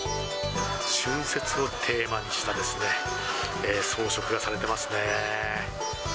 春節をテーマにした装飾がされてますね。